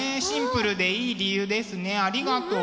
シンプルでいい理由ですねありがとう。